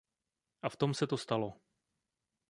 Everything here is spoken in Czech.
A v tom se to stalo.